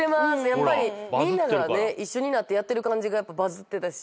やっぱりみんなが一緒になってやってる感じがバズってたし。